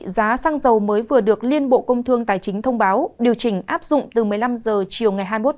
giá xăng dầu mới vừa được liên bộ công thương tài chính thông báo điều chỉnh áp dụng từ một mươi năm h chiều ngày hai mươi một tháng